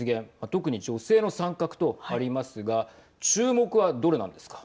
特に女性の参画とありますが注目はどれなんですか。